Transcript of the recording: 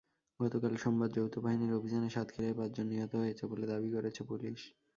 গতকাল সোমবার যৌথ বাহিনীর অভিযানে সাতক্ষীরায় পাঁচজন নিহত হয়েছে বলে দাবি করেছে পুলিশ।